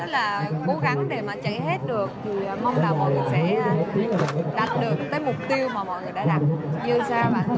rất là cố gắng để mà chạy hết được mong là mọi người sẽ đạt được tới mục tiêu mà mọi người đã đạt